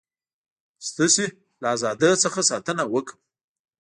ستاسي له ازادی څخه ساتنه وکړم.